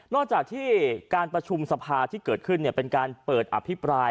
จากที่การประชุมสภาที่เกิดขึ้นเป็นการเปิดอภิปราย